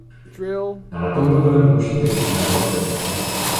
Na letounu byly použity různé motory.